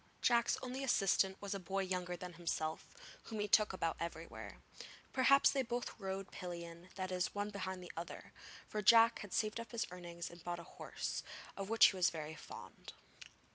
Jack's only assistant was a boy younger than himself, whom he took about everywhere. Perhaps they both rode pillion that is, one behind the other; for Jack had saved up his earnings and bought a horse, of which he was very fond.